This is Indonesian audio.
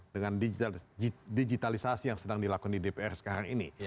dengan digitalisasi yang sedang dilakukan di dpr sekarang ini